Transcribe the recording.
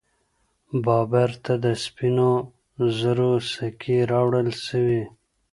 بابر ته د سپینو زرو سکې راوړل سوې.